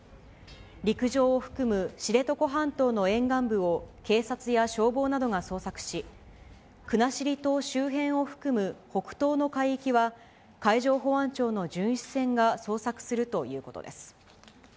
陸上を含む知床半島の沿岸部を警察や消防などが捜索し、国後島周辺を含む北東の海域は、海上保安庁の巡視船が捜索するということです。